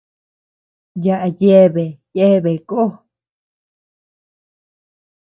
Yaʼa yeabea yéabea koo.